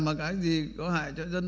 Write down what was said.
mà cái gì có hại cho dân